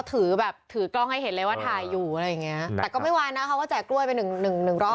ถือแบบถือกล้องให้เห็นเลยว่าถ่ายอยู่อะไรอย่างเงี้ยแต่ก็ไม่วายนะเขาก็แจกกล้วยไปหนึ่งหนึ่งรอบ